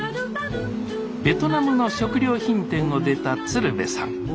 ベトナムの食料品店を出た鶴瓶さん。